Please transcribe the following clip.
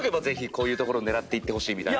ぜひこういうところを狙ってほしい。